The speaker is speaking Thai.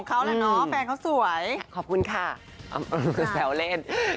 เอาแบบเบาครับ